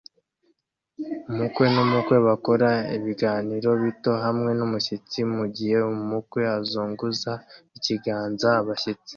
Umukwe n'umukwe bakora ibiganiro bito hamwe n'umushyitsi mugihe umukwe azunguza ikiganza abashyitsi